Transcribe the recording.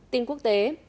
tình quốc tế